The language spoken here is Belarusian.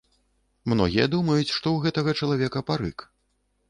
Многія думаюць, што ў гэтага чалавека парык.